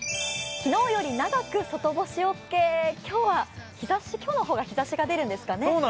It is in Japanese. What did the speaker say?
昨日より長く外干しオーケー今日の方が日ざしが出るんですかね？